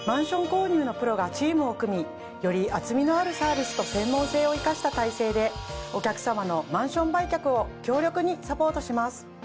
購入のプロがチームを組みより厚みのあるサービスと専門性を生かした体制でお客さまのマンション売却を強力にサポートします。